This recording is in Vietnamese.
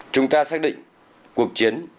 chúng ta xác định cuộc chiến